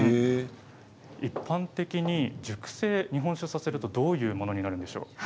一般的に熟成させるとどういうものなんでしょうか。